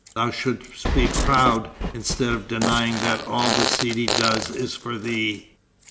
Thou shouldst be proud, instead of denying that all the Sidi does is for thee.